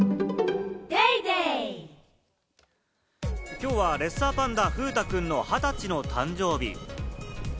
きょうはレッサーパンダ・風太くんの二十歳の誕生日。